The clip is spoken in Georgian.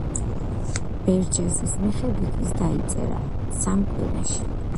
ბერჯესის მიხედვით ის დაიწერა სამ კვირაში.